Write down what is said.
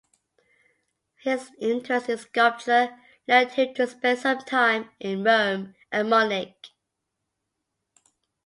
His interest in sculpture led him to spend some time in Rome and Munich.